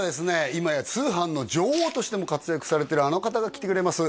今や通販の女王としても活躍されてるあの方が来てくれます